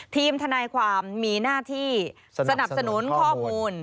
ทีมทนายความมีหน้าที่สนับสนุนข้อมูล